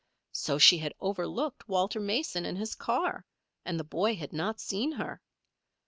So she had overlooked Walter Mason and his car, and the boy had not seen her.